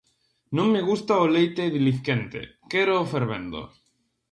Non me gusta o leite lizquente, quéroo fervendo.